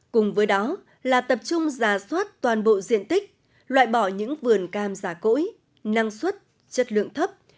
cùng với đó là tập trung giả soát toàn bộ diện tích loại bỏ những vườn cam giả cỗi năng suất chất lượng thấp